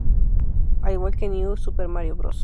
Al igual que en New Super Mario Bros.